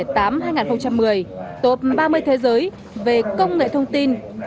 tốp một mươi tốp ba mươi thế giới về công nghệ thông tin